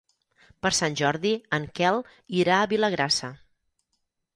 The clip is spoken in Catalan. Per Sant Jordi en Quel irà a Vilagrassa.